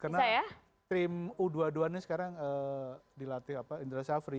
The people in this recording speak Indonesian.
karena tim u dua puluh dua ini sekarang dilatih indra shafri